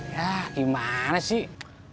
ya gimana sih